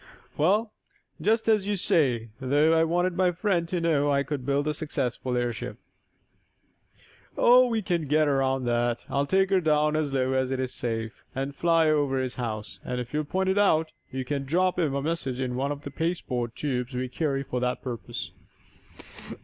"Well, just as you say, though I wanted my friend to know I could build a successful airship." "Oh, we can get around that. I'll take her down as low as is safe, and fly over his house, if you'll point it out, and you can drop him a message in one of the pasteboard tubes we carry for that purpose."